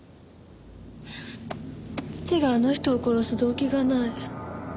父があの人を殺す動機がない。